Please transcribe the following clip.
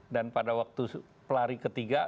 dan pada waktu pelari ketiga